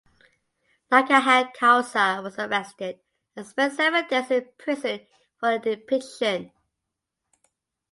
Nikahang Kowsar was arrested and spent seven days in prison for the depiction.